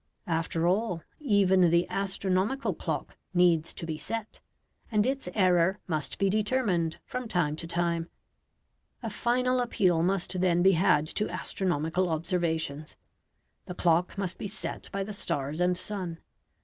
After all, even the astronomical clock needs to be set, and its error must be determined from time to time. A final appeal must then be had to astronomical observations. The clock must be set by the stars and sun.